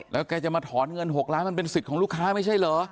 แล้วแกจะมาถอนเงิน๖ล้านมันเป็นสิทธิ์ของลูกค้าไม่ใช่เหรอ